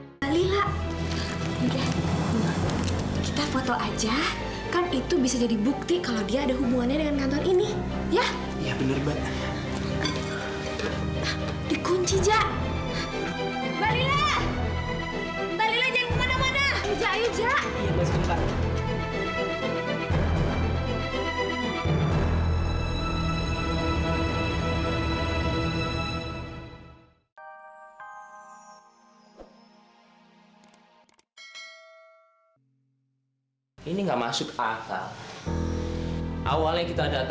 sampai jumpa di video selanjutnya